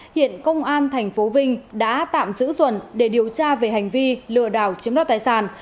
hiện công an thành phố vinh đã tạm giữ xuẩn để điều tra về hành vi lừa đảo chiếm đoạt tài sản